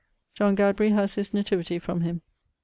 John Gadbury haz his nativity from him.